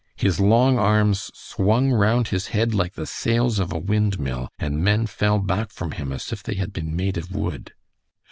His long arms swung round his head like the sails of a wind mill, and men fell back from him as if they had been made of wood.